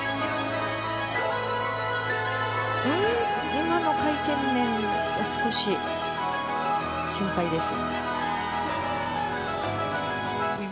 今の回転面が少し心配です。